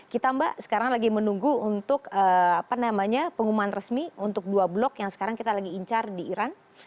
kita mbak sekarang lagi menunggu untuk pengumuman resmi untuk dua blok yang sekarang kita lagi incar di iran